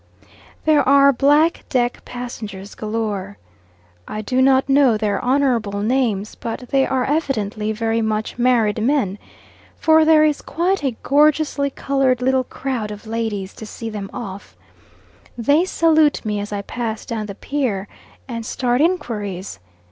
There are black deck passengers galore; I do not know their honourable names, but they are evidently very much married men, for there is quite a gorgeously coloured little crowd of ladies to see them off. They salute me as I pass down the pier, and start inquiries.